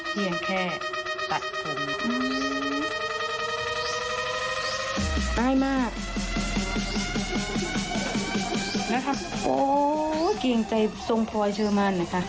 เกลียดใจรักษาช่างเพลินเชือกมันค่ะ